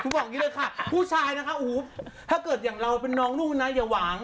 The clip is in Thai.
คือบอกอย่างนี้เลยค่ะผู้ชายนะคะโอ้โหถ้าเกิดอย่างเราเป็นน้องลูกนะอย่าหวัง